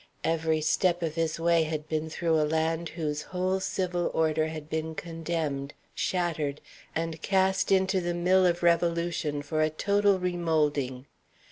Every step of his way had been through a land whose whole civil order had been condemned, shattered, and cast into the mill of revolution for a total remoulding.